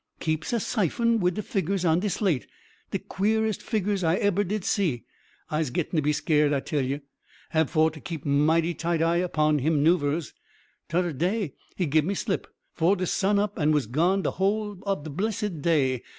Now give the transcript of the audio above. "Keeps a syphon wid de figgurs on de slate de queerest figgurs I ebber did see. Ise gittin' to be skeered, I tell you. Hab for to keep mighty tight eye 'pon him 'noovers. Todder day he gib me slip 'fore de sun up and was gone de whole ob de blessed day.